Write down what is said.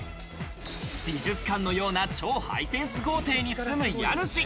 美術館のような超ハイセンス豪邸に住む家主。